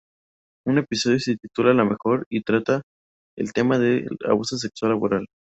El episodio se titula "La mejor" y trata el tema del abuso sexual laboral.